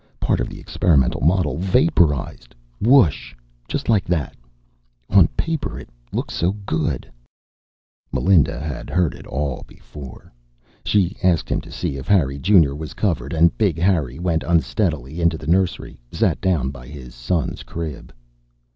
Part of the experimental model vaporized, wooosh, just like that. On paper it looked so good " Melinda had heard it all before. She asked him to see if Harry Junior was covered, and Big Harry went unsteadily into the nursery, sat down by his son's crib.